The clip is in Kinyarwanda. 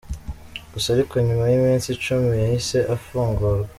Gusa ariko nyuma y’iminsi icumi yahise afungurwa.